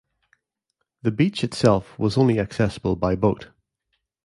The beach itself was only accessible by boat.